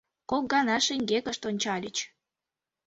Кок гана шеҥгекышт ончальыч.